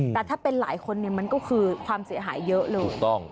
แต่ถ้าเป็นหลายคนเนี่ยมันก็คือความเสียหายเยอะเลยถูกต้อง